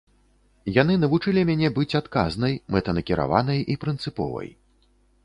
Яны навучылі мяне быць адказнай, мэтанакіраванай і прынцыповай.